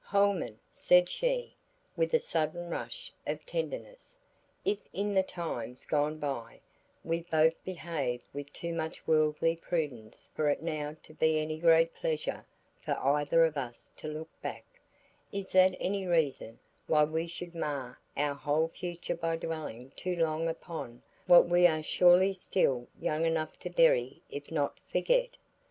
"Holman," said she, with a sudden rush of tenderness, "if in the times gone by, we both behaved with too much worldly prudence for it now to be any great pleasure for either of us to look back, is that any reason why we should mar our whole future by dwelling too long upon what we are surely still young enough to bury if not forget?